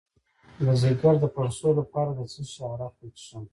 د ځیګر د پړسوب لپاره د څه شي عرق وڅښم؟